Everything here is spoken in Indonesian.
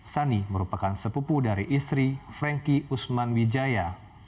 sani merupakan sepupu dari istri frankie usman wijaya